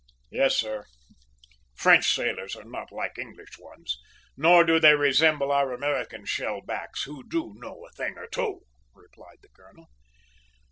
"Yes, sir; French sailors are not like English ones, nor do they resemble our American shellbacks, who do know a thing or two!" replied the colonel.